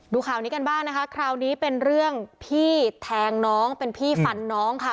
ข่าวนี้กันบ้างนะคะคราวนี้เป็นเรื่องพี่แทงน้องเป็นพี่ฟันน้องค่ะ